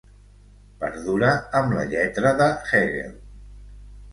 Perdura amb la lletra de Hegel.